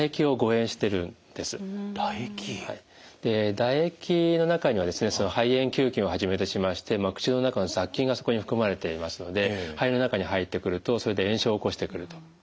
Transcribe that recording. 唾液の中には肺炎球菌をはじめとしまして口の中の雑菌がそこに含まれていますので肺の中に入ってくるとそれで炎症を起こしてくると。